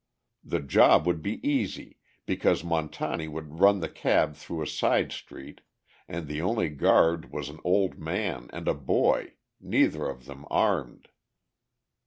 The job would be easy, because Montani would run the cab through a side street, and the only guard was an old man and a boy, neither of them armed.